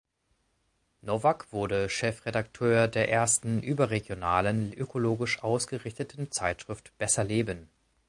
Nowak wurde Chefredakteur der ersten überregionalen ökologisch ausgerichteten Zeitschrift "Besser Leben".